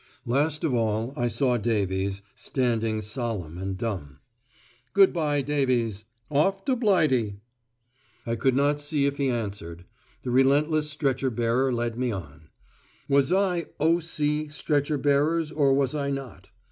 Last of all I saw Davies, standing solemn and dumb. "Good bye, Davies. Off to Blighty." I could not see if he answered. The relentless stretcher bearer led me on. Was I O.C. stretcher bearers or was I not?